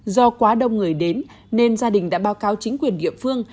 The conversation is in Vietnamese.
do quá đông người đến nên gia đình đã báo cáo chính quyền địa phương